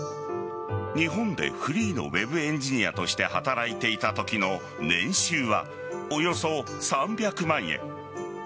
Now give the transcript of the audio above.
日本でフリーのウェブエンジニアとして働いていたときの年収はおよそ３００万円。